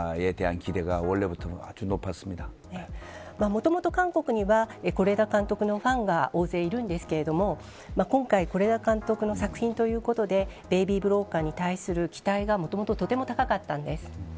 もともと韓国には是枝監督のファンが大勢いるんですけれども今回是枝監督の作品ということでベイビー・ブローカーに対する期待がもともととても高かったんです。